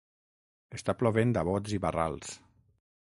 Està plovent a bots i barrals.